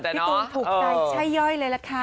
พี่ตูนถูกได้ช่ายย่อยเลยละค่ะ